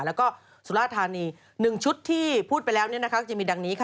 แล้วก็สุราธานี๑ชุดที่พูดไปแล้วจะมีดังนี้ค่ะ